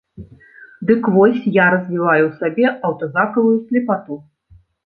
Дык вось я развіваю ў сабе аўтазакавую слепату.